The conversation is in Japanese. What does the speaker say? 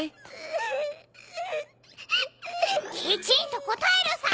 きちんと答えるさ！